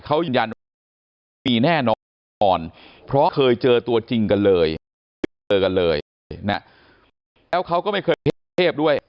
เขายืนยันมีแน่นอนเพราะเคยเจอตัวจริงกันเลยเคยเจอกันเลยแล้วเขาก็ไม่เคยเทพด้วย